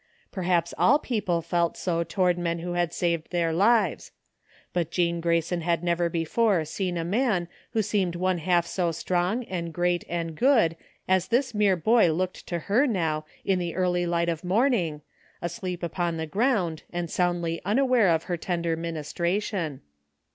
Perhaps all people felt so toward men who had saved their lives; but Jean Grayson had never before seen a man who seemed one half so strong and great and good as this mere boy looked to her now in the early light of morning, asleep upon the groimd and soundly unaware of her tender ministration.